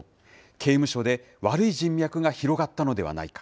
刑務所で悪い人脈が広がったのではないか。